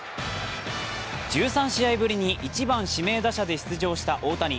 １３試合ぶりに１番・指名打者で出場した大谷。